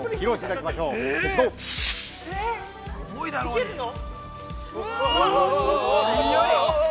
◆いけるの！？